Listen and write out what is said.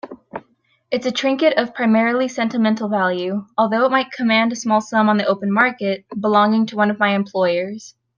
It's a trinket of primarily sentimental value, although it might command a small sum on the open market, belonging to one of my employers.